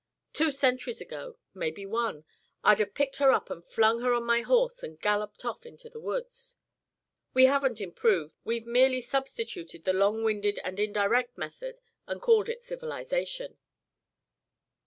Two centuries ago maybe one I'd have picked her up and flung her on my horse and galloped off to the woods. We haven't improved; we've merely substituted the long winded and indirect method and called it civilisation."